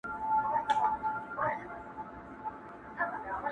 چي پیسې لري بس هغه دي ښاغلي.